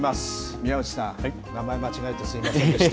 宮内さん、名前、間違えてすみませんでした。